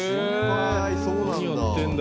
そうなんだ。